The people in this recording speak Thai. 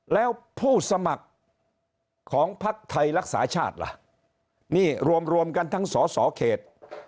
แล้วผู้สมัครของพักษ์ไทยรักษาชาติล่ะรวมกันทั้งสสเขต